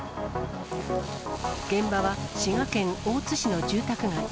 現場は滋賀県大津市の住宅街。